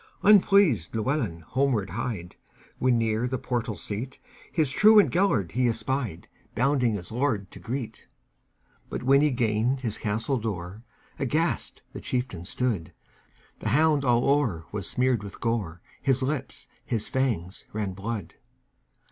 Unpleased Llewelyn homeward hied, When, near the portal seat, His truant Gêlert he espied, Bounding his lord to greet. But, when he gained his castle door, Aghast the chieftain stood; The hound all o'er was smeared with gore, His lips, his fangs, ran blood.